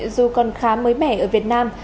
dù còn khá mới mẻ ở việt nam